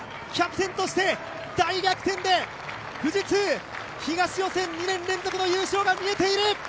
キャプテンとして、大逆転で富士通東予選２年連続の優勝が見えている！